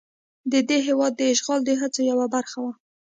د دې هېواد د اشغال د هڅو یوه برخه وه.